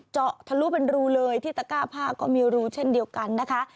เจาะทะลุเป็นรูเลยที่ตะก้าผ้าก็มีรูเช่นเดียวกันนะคะ